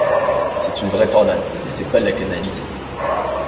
C'est une vraie tornade, n'essaie pas de la canaliser.